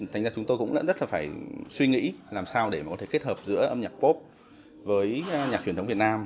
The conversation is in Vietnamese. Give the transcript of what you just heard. thành ra chúng tôi cũng rất là phải suy nghĩ làm sao để mà có thể kết hợp giữa âm nhạc pop với nhạc truyền thống việt nam